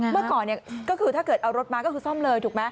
เมื่อก่อนก็คือถ้าเกิดเอารถมาก็คือซ่อมเลยถูกไหม